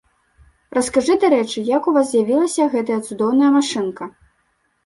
Раскажы, дарэчы, як у вас з'явілася гэтая цудоўная машынка?